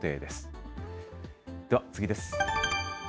では次です。